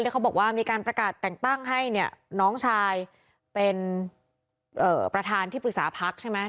เขาบอกว่ามีการประกาศแต่งตั้งให้เนี่ยน้องชายเป็นประธานที่ปรึกษาพักใช่ไหม